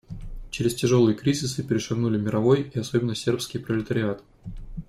Через тяжелые кризисы перешагнули мировой и особенно сербский пролетариат.